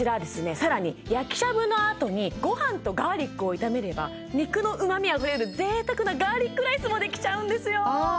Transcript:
更に焼きしゃぶのあとにご飯とガーリックを炒めれば肉の旨味あふれる贅沢なガーリックライスもできちゃうんですよ